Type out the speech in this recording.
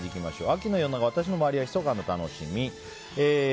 秋の夜長私や周りのひそかな楽しみ。